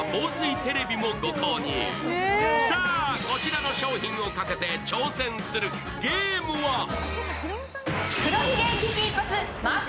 こちらの商品をかけて挑戦するゲームは？